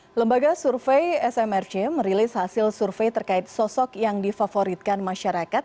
hai lembaga survei smrc merilis hasil survei terkait sosok yang difavoritkan masyarakat